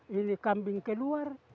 ini kambing keluar